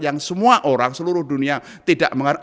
yang semua orang seluruh dunia tidak mengerti